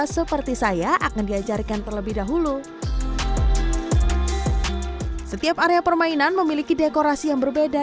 seperti saya akan diajarkan terlebih dahulu setiap area permainan memiliki dekorasi yang berbeda